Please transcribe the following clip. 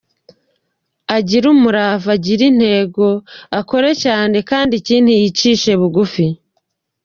Agire umurava, agire intego, akore cyane kandi ikindi yicishe bugufi.